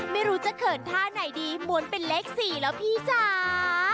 ไม่รู้จะเขินท่าไหนดีม้วนเป็นเลข๔แล้วพี่จ๋า